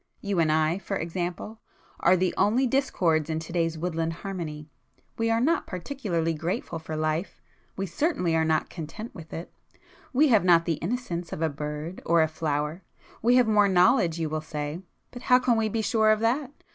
You and I, for example, are the only discords in to day's woodland harmony. We are not particularly grateful for life,—we certainly are not content with it,—we have not the innocence of a bird or a flower. We have more knowledge you will say,—but how can we be sure of that?